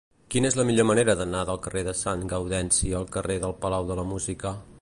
Quina és la millor manera d'anar del carrer de Sant Gaudenci al carrer del Palau de la Música?